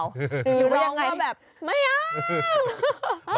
หรือร้องว่าแบบไม่เอา